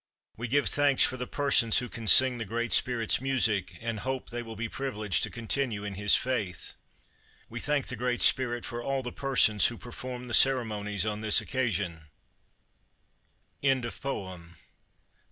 We give thanks for the persons who can sing the Great Spirit's music, and hope they will be privileged to continue in his faith. We thank the Great Spirit for all the persons who perform the ceremonies on this occasion. This poem is in the public domain.